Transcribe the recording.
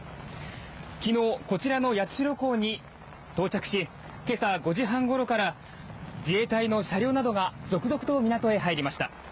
昨日、こちらの八代港に到着し今朝５時半ごろから自衛隊の車両などが続々と港へ入りました。